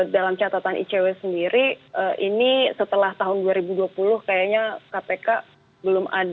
dalam catatan icw sendiri ini setelah tahun dua ribu dua puluh kayaknya kpk belum ada